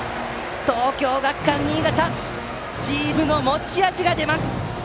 東京学館新潟チームの持ち味が出ます！